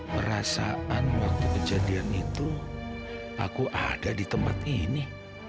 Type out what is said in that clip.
perasaan waktu kejadian itu aku ada di tempat ini